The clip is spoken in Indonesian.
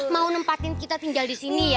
mau nempatin kita tinggal di sini ya